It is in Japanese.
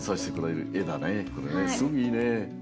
すごくいいねえ。